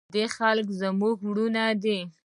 د دې خلک زموږ ورونه دي